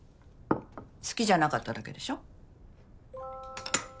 好きじゃなかっただけでしょ。